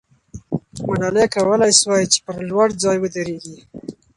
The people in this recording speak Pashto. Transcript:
ملالۍ کولای سوای چې پر لوړ ځای ودریږي.